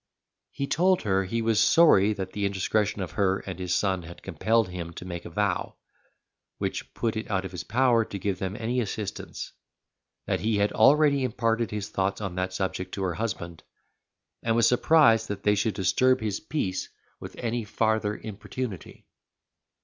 He told her he was sorry that the indiscretion of her and his son had compelled him to make a vow, which put it out of his power to give them any assistance; that he had already imparted his thoughts on that subject to her husband, and was surprised that they should disturb his peace with any farther importunity.